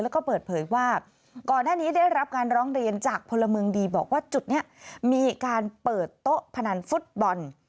แล้วก็เปิดเผยว่าก่อนหน้านี้ได้รับการร้องเรียนจากพลเมืองดีบอกว่าจุดนี้มีการเปิดโต๊ะพนันฟุตบอล